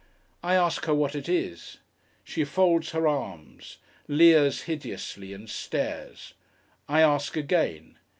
I ask her what it is. She folds her arms, leers hideously, and stares. I ask again.